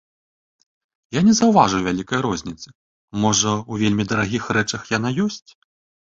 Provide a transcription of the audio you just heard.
Я не заўважыў вялікай розніцы, можа, у вельмі дарагіх рэчах яна ёсць.